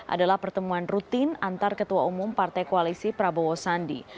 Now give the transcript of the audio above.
adalah pertemuan rutin antar ketua umum partai koalisi prabowo sandi